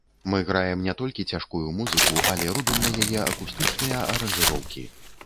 Мы граем не толькі цяжкую музыку, але робім на яе акустычныя аранжыроўкі.